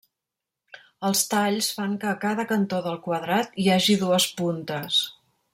Els talls fan que a cada cantó del quadrat hi hagi dues puntes.